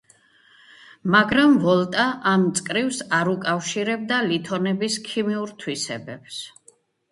მაგრამ ვოლტა ამ მწკრივს არ უკავშირებდა ლითონების ქიმიურ თვისებებს.